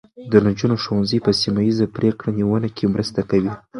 د نجونو ښوونځي په سیمه ایزه پرېکړه نیونه کې مرسته کوي.